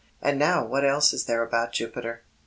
And now what else is there about Jupiter?"